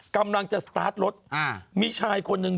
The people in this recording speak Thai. กำลังจะสตาร์ทรถมีชายคนหนึ่ง